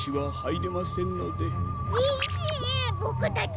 はい！